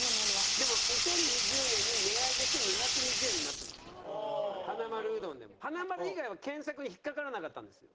でも２０２０年に値上げして２２０円になってますからはなまるうどんでも。はなまる以外は検索に引っかからなかったんですよ。